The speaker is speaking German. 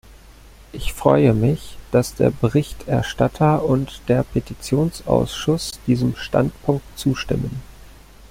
Ich freue mich, dass der Berichterstatter und der Petitionsausschuss diesem Standpunkt zustimmen.